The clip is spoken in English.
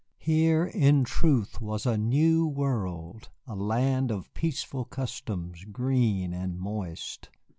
Here in truth was a new world, a land of peaceful customs, green and moist.